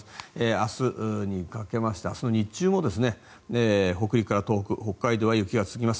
明日にかけて明日の日中も北陸から東北、北海道は雪が続きます。